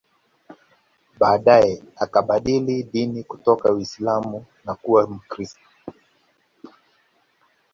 Baadae akabadili dini kutoka Uislam na kuwa Mkristo